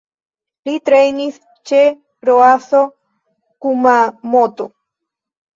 Li trejnis ĉe Roasso Kumamoto.